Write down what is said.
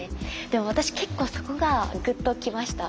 でも私結構そこがグッときました。